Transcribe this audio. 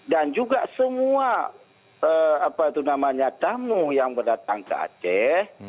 dan juga semua tamu yang berdatang ke aceh